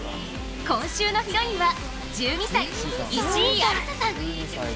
今週のヒロインは１２歳石井有沙さん。